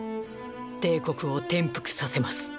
帝国を転覆させます。